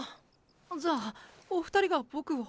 じゃあお二人がボクを？